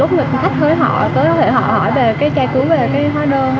lúc mình khách hỡi họ có thể họ hỏi về cái chai cứu về cái hóa đơn